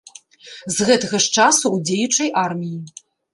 З гэтага ж часу ў дзеючай арміі.